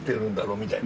みたいな。